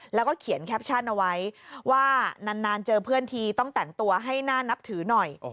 แล้วก็เขียนแคปชั่นเอาไว้ว่านานเจอเพื่อนทีต้องแต่งตัวให้น่านับถือหน่อย